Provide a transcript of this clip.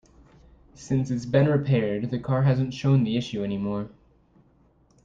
Since it's been repaired, the car hasn't shown the issue any more.